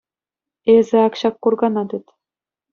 Эсӗ ак ҫак куркана тыт.